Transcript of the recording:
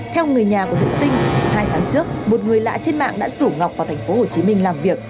theo người nhà của nữ sinh hai tháng trước một người lạ trên mạng đã rủ ngọc vào thành phố hồ chí minh làm việc